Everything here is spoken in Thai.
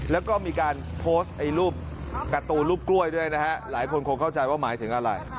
แล้วก็มีการโพสต์ไอ้รูปการ์ตูนรูปกล้วยด้วยนะฮะหลายคนคงเข้าใจว่าหมายถึงอะไร